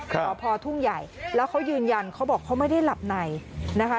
สพทุ่งใหญ่แล้วเขายืนยันเขาบอกเขาไม่ได้หลับในนะคะ